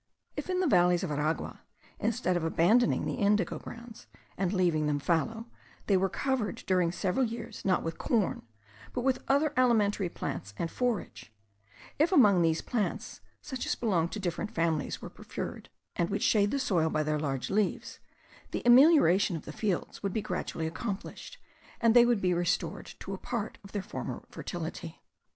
If in the valleys of Aragua, instead of abandoning the indigo grounds, and leaving them fallow, they were covered during several years, not with corn, but with other alimentary plants and forage; if among these plants such as belong to different families were preferred, and which shade the soil by their large leaves, the amelioration of the fields would be gradually accomplished, and they would be restored to a part of their former fertility.